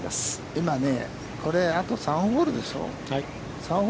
今ね、あと３ホールでしょう。